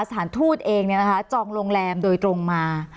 สถานทูตเองเนี่ยนะคะจองโรงแรมโดยตรงมา